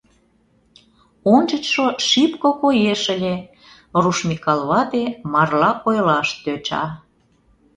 — Ончычшо шибко коеш ыле, — руш Микал вате марла ойлаш тӧча.